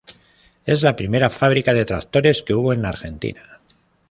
Es la primera fábrica de tractores que hubo en la Argentina.